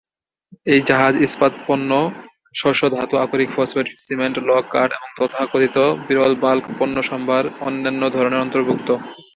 এই জাহাজ ইস্পাত পণ্য, শস্য, ধাতু আকরিক, ফসফেট, সিমেন্ট, লগ, কাঠ এবং তথাকথিত 'বিরল বাল্ক পণ্যসম্ভার' অন্যান্য ধরনের অন্তর্ভুক্ত।